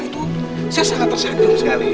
itu saya sangat tersentuh sekali